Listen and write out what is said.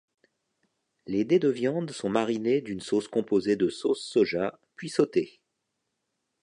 Les dés de viande sont marinés d’une sauce composée de sauce soja puis sautés.